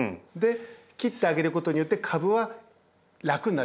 切ってあげることによって株は楽になりますよね。